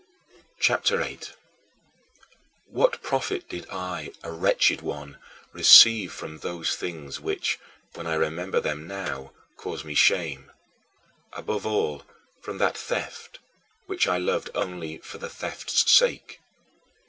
CHAPTER VIII 16. What profit did I, a wretched one, receive from those things which, when I remember them now, cause me shame above all, from that theft, which I loved only for the theft's sake?